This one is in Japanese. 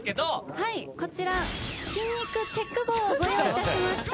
はいこちら筋肉チェック棒をご用意いたしました。